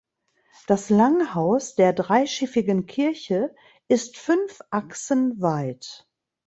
Das Langhaus der dreischiffigen Kirche ist fünf Achsen weit.